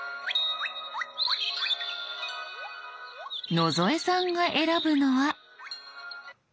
野添さんが選ぶのは。」）